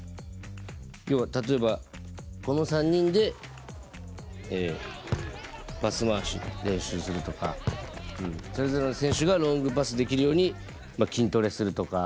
要は例えばこの３人でパス回しの練習するとかそれぞれの選手がロングパスできるように筋トレするとか。